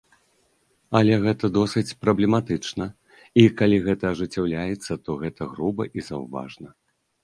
Але гэта досыць праблематычна і, калі гэта ажыццяўляецца, то гэта груба і заўважна.